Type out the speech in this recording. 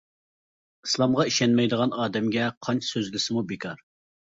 ئىسلامغا ئىشەنمەيدىغان ئادەمگە قانچە سۆزلىسىمۇ بىكار.